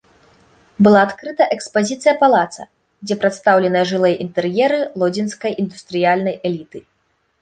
Была адкрыта экспазіцыя палаца, дзе прадстаўленыя жылыя інтэр'еры лодзінскай індустрыяльнай эліты.